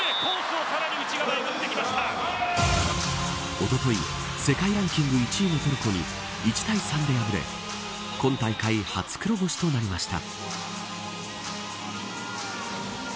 おととい、世界ランキング１位のトルコに１対３で敗れ今大会、初黒星となりました。